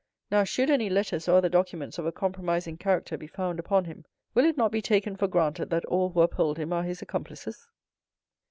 Now, should any letters or other documents of a compromising character be found upon him, will it not be taken for granted that all who uphold him are his accomplices?"